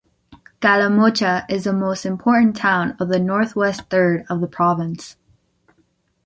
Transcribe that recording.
Calamocha is the most important town of the Northwest third of the province.